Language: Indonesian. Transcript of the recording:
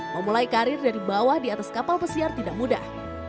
memulai karir dari bawah di atas kapal pesiar tidak mudah